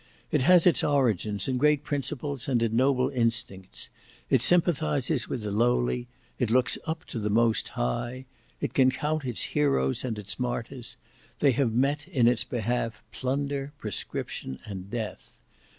It has its origin in great principles and in noble instincts; it sympathises with the lowly, it looks up to the Most High; it can count its heroes and its martyrs; they have met in its behalf plunder, proscription, and death.